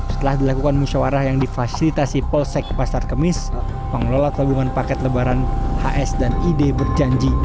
setelah dilakukan musyawarah yang difasilitasi polsek pasar kemis pengelola tabungan paket lebaran hs dan ide berjanji